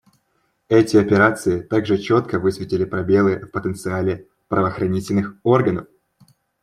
Эти операции также четко высветили пробелы в потенциале правоохранительных органов.